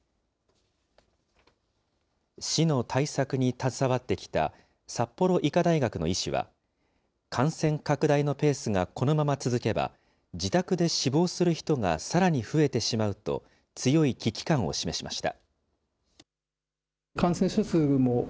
市の対策に携わってきた札幌医科大学の医師は、感染拡大のペースがこのまま続けば、自宅で死亡する人がさらに増えてしまうと、強い危機感を示しました。